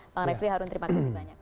bang refli harun terima kasih banyak